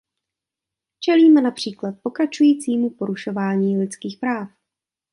Čelíme například pokračujícímu porušování lidských práv.